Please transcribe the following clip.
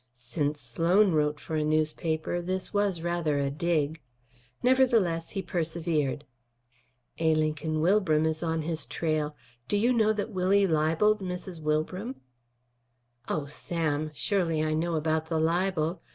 Since Sloan wrote for a newspaper, this was rather a dig. Nevertheless, he persevered. "A. Lincoln Wilbram is on his trail. Do you know that Willie libelled Mrs. Wilbram?" "Oh! Sam. Surely I know about the libel.